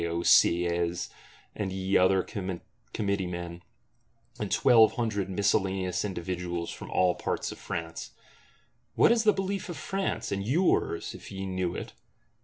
O Sieyes, and ye other Committeemen, and Twelve Hundred miscellaneous individuals from all parts of France! What is the Belief of France, and yours, if ye knew it?